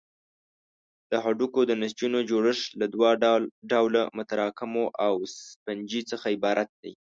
د هډوکو د نسجونو جوړښت له دوه ډوله متراکمو او سفنجي څخه عبارت دی.